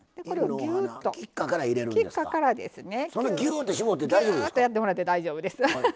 ぎゅーってやってもらって大丈夫です。